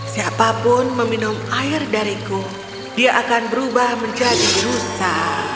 dia menemukan sungai yang berubah menjadi singa